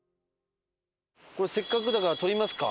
せっかくだから撮りますか？